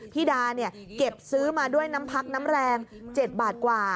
พี่ดาเก็บซื้อมาด้วยน้ำพักน้ำแรง๗บาทกว่า